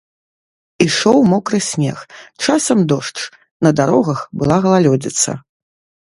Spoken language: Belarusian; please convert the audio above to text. Ішоў мокры снег, часам дождж, на дарогах была галалёдзіца.